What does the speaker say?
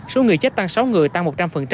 số người chết tăng sáu người tăng một trăm linh